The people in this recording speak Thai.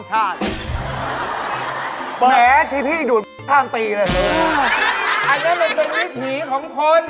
เจ้าไหน